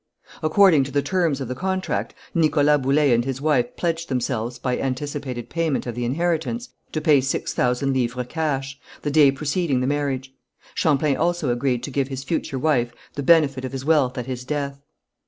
According to the terms of the contract, Nicholas Boullé and his wife pledged themselves, by anticipated payment of the inheritance, to pay six thousand livres cash, the day preceding the marriage. Champlain also agreed to give his future wife the benefit of his wealth at his death.